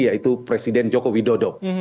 yaitu presiden joko widodo